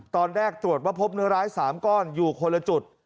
ตอนแรกตรวจว่าพบเนื้อร้าย๓ก้อนอยู่คนละจุด